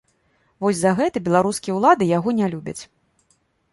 Вось за гэта беларускія ўлады яго не любяць.